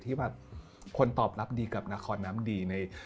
ที่ควรตอบลับดีกับหละครน้ำดี